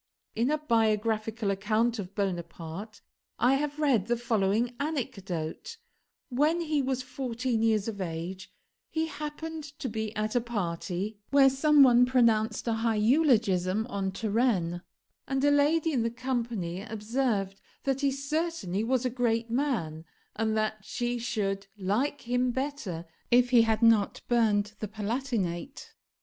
In a biographical account of Bonaparte I have read the following anecdote: When he was fourteen years of age he happened to be at a party where some one pronounced a high eulogium on Turenne; and a lady in the company observed that he certainly was a great man, but that she should like him better if he had not burned the Palatinate.